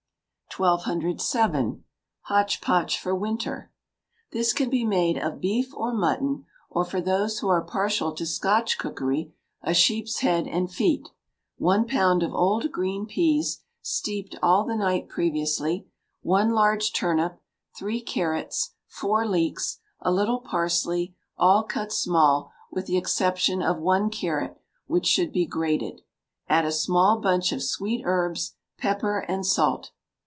1207. Hotch Potch for Winter. This can be made of beef or mutton, or, for those who are partial to Scotch cookery, a sheep's head and feet, one pound of old green peas, steeped all the night previously, one large turnip, three carrots, four leeks, a little parsley, all cut small, with the exception of one carrot, which should be grated; add a small bunch of sweet herbs, pepper, and salt.